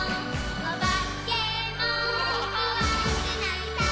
「おばけもこわくないさ」